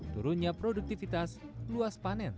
turunnya produktivitas luas panen